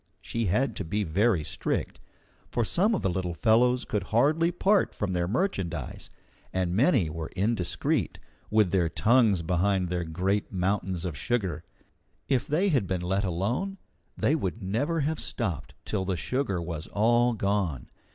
She had to be very strict, for some of the little fellows could hardly part from their merchandise, and many were indiscreet, with their tongues behind their great mountains of sugar. If they had been let alone, they would never have stopped till the sugar was all gone.